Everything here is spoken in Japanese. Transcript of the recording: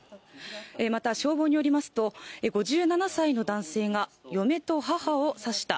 また消防によりますと、５７歳の男性が嫁と母を刺した。